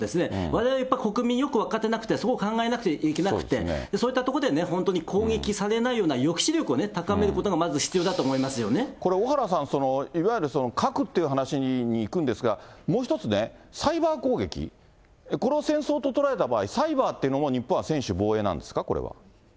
われわれ、やっぱり国民よく分かってなくて、そこを考えなくちゃいけなくて、本当に攻撃されないような抑止力を高めることが、まこれ、小原さん、いわゆる核っていう話にいくんですが、もう一つね、サイバー攻撃、これを戦争と捉えた場合、サイバーっていうのも日本は専守防衛なんですか、これは。